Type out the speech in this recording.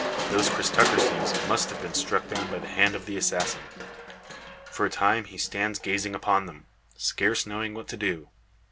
Those Cris Tucker sees must have been struck down by the hand of the assassin! For a time he stands gazing upon them, scarce knowing what to do.